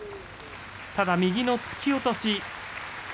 ただ右の突き落とし。